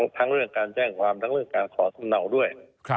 ทั้งเรื่องการแจ้งความทั้งเรื่องการขอสำเนาด้วย